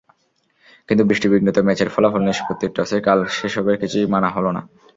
কিন্তু বৃষ্টিবিঘ্নিত ম্যাচের ফলাফল নিষ্পত্তির টসে কাল সেসবের কিছুই মানা হলো না।